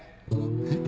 えっ？